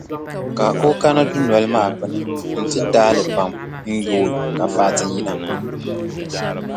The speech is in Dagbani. Ka o kana dunoli maa gbuni nti daai li pam n-yooi ka Fati yina.